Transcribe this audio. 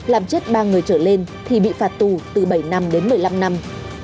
làm chết ba người trở lên thì bị phạt tù từ bảy năm đến một mươi năm năm